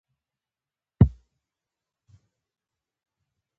ازادي راډیو د چاپیریال ساتنه په اړه د نوښتونو خبر ورکړی.